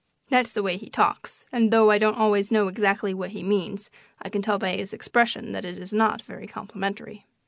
That's the way he talks, and though I don't always know exactly what he means I can tell by his expression that it is not very complimentary.